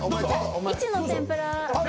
壱の天ぷら。